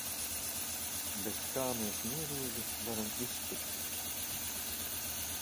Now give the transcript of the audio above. Bez kā mēs mierīgi varam iztikt.